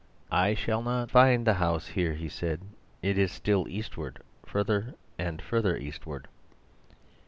'I shall not find the house here,' he said. 'It is still eastward— further and further eastward.